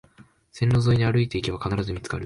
線路沿いに歩いていけば必ず見つかる